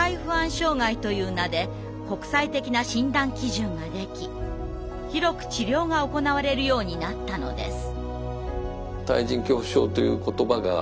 障害という名で国際的な診断基準ができ広く治療が行われるようになったのです。